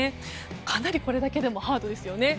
かなりこれだけでもハードですよね。